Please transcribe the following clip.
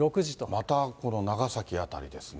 またこの長崎辺りですね。